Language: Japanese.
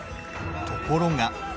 ところが。